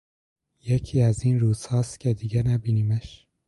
یکی از این روزهاست که دیگه نبینیمش...